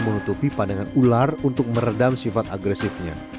menutupi pandangan ular untuk meredam sifat agresifnya